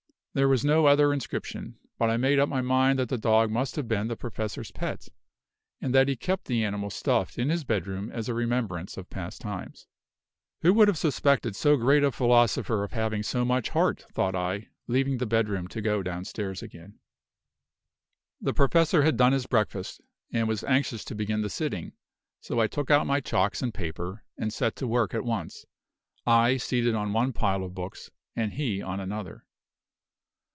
There was no other inscription; but I made up my mind that the dog must have been the Professor's pet, and that he kept the animal stuffed in his bedroom as a remembrance of past times. "Who would have suspected so great a philosopher of having so much heart!" thought I, leaving the bedroom to go downstairs again. The Professor had done his breakfast, and was anxious to begin the sitting; so I took out my chalks and paper, and set to work at once I seated on one pile of books and he on another.